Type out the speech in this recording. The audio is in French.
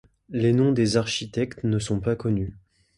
Les noms des architectes ne sont pas connus.